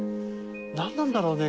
何なんだろうね